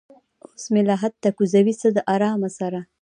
اوس مې لحد ته کوزوي څه د ارامه سره